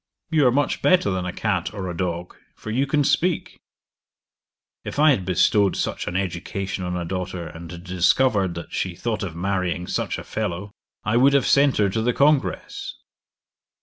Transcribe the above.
you are much better than a cat or a dog, for you can speak." If I had bestowed such an education on a daughter, and had discovered that she thought of marrying such a fellow, I would have sent her to the Congress.'